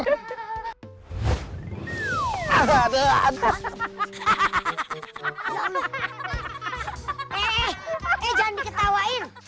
eh eh eh jangan diketawain